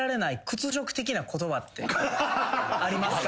ありますか？